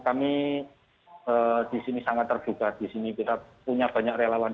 kami di sini sangat terbuka di sini kita punya banyak relawan